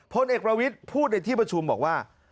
พลเอกประวิทย์พูดในที่ประชุมบอกว่า